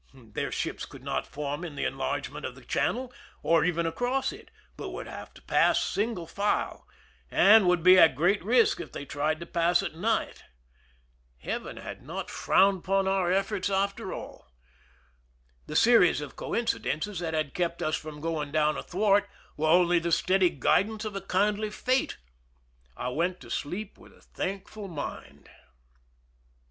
Their ships could not form in the enlarge ment of the channel, or even across it, but would have to pass single file, and would be at great risk if they tried to pass at night. Heaven had not 177 THE SINKING OF THE '^MERRIMAC" frowned upon our efforts, after all. The series of coincidences that had kept us from going down athwart were only the steady guidance of a kindly fate. I went to sleep with a thankful mind.